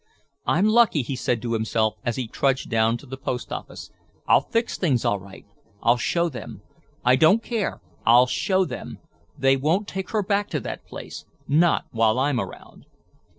"I'm lucky," he said to himself as he trudged down to the post office; "I'll fix things all right. I'll show them; I don't care, I'll show them. They won't take her back to that place, not while I'm around."